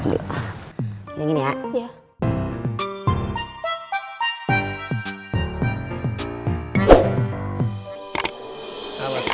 kalau ingnya injustice ya seharusnya